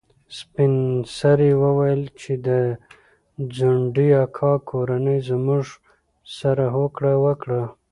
سپین سرې وویل چې د ځونډي اکا کورنۍ زموږ سره هوکړه وکړه.